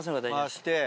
回して。